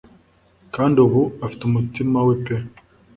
Kandi ubu afite umutima we pe